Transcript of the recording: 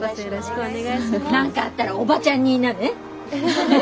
何かあったらおばちゃんに言いなね。